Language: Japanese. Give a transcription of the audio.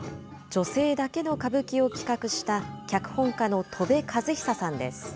女性だけの歌舞伎を企画した脚本家の戸部和久さんです。